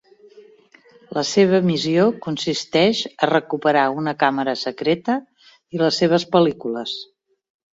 La seva missió consisteix a recuperar una càmera secreta i les seves pel·lícules.